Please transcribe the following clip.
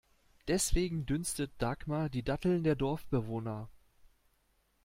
Deswegen dünstet Dagmar die Datteln der Dorfbewohner.